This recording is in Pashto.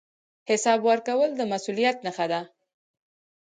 حساب ورکول د مسوولیت نښه ده